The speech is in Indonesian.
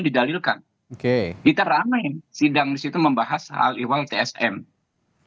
didalilkan kita ramai sidang disitu membahas hal hal yang tersebut